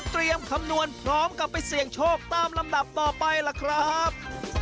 คำนวณพร้อมกับไปเสี่ยงโชคตามลำดับต่อไปล่ะครับ